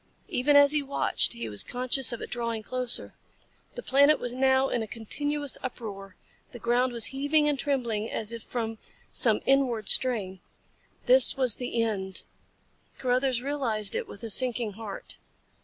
Even as he watched he was conscious of it drawing closer. The planet was now in a continuous uproar. The ground was heaving and trembling as if from some inward strain. This was the end. Carruthers realized it with a sinking heart.